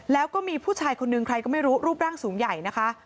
แล้วก็มีผู้ชายคนหนึ่งใครก็ไม่รู้รูปร่างสูงใหญ่นะคะ